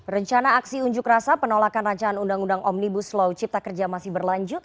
rencana aksi unjuk rasa penolakan rancangan undang undang omnibus law cipta kerja masih berlanjut